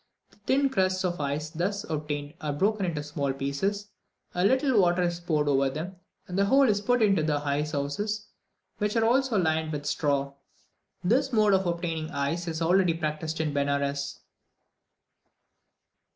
The thin crusts of ice thus obtained are broken into small pieces, a little water is poured over them, and the whole is put into the ice houses, which are also lined with straw. This mode of obtaining ice is already practised in Benares.